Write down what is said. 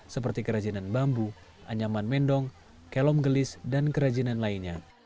seperti kerajinan bambu anyaman mendong kelom gelis dan kerajinan lainnya